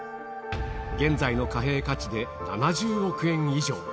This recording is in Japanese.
現在の貨幣価値で７０億円以上。